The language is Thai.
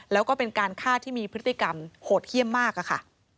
แล้วก็เป็นการฆ่าที่มีพฤติกรรมโหดเยี่ยมมากค่ะ